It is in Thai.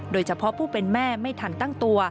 โดยเฉพาะผู้เป็นแม่ไม่ทันตั้งตัว